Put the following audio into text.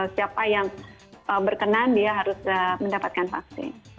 siapa yang berkenan dia harus mendapatkan vaksin